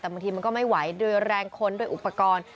แต่บางทีมันก็ไม่ไหวด้วยแรงค้นด้วยอุปกรณ์